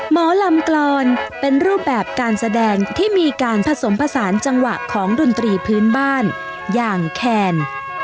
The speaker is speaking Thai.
หมอลำกรอนเป็นรูปแบบการแสดงที่มีการผสมผสานจังหวะของดนตรีพื้นบ้านอย่างแคน